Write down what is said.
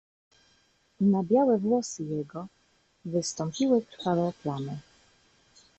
"Na białe włosy jego wystąpiły krwawe plamy."